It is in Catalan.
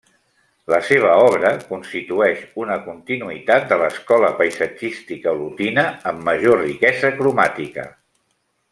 La seva obra constitueix una continuïtat de l'escola paisatgística olotina amb major riquesa cromàtica.